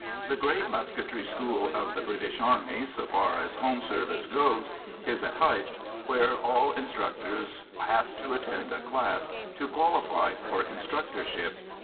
The great musketry school of the British Army, so far as home service goes, is at Hythe, where all instructors have to attend a class to qualify for instructorship.